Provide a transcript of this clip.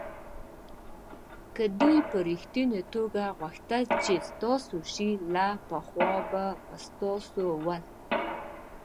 که دوی په ریښتني توگه غوښتل چې ستاسو شي له پخوا به ستاسو ول.